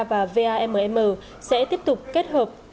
và vamm sẽ tiếp tục kết hợp